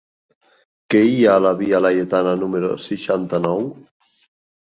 Què hi ha a la via Laietana número seixanta-nou?